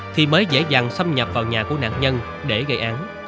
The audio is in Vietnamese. thì mới dễ dàng xâm nhập vào nhà của nạn nhân để gây án